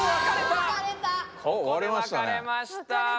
わかれました！